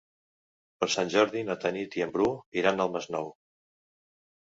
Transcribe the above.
Per Sant Jordi na Tanit i en Bru iran al Masnou.